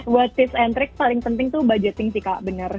buat tips and trik paling penting tuh budgeting sih kak bener